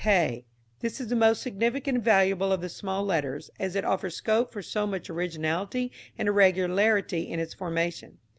k. This is the most significant and valuable of the small letters, as it offers scope for so much originality and irregularity in its formation.